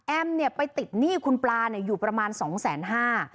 เนี่ยไปติดหนี้คุณปลาเนี่ยอยู่ประมาณสองแสนห้า